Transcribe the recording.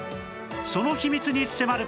その秘密に迫る！